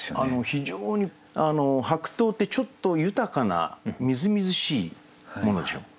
非常に白桃ってちょっと豊かなみずみずしいものでしょ。